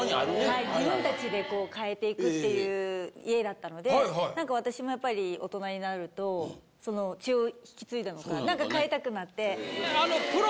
はい自分たちで変えていくっていう家だったので何か私もやっぱり大人になるとその血を引き継いだのか何か変えたくなって。